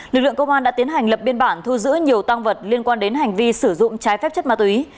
lực lượng công an đã tiến hành lập biên bản thu giữ nhiều tăng vật liên quan đến hành vi sử dụng trái phép chất ma túy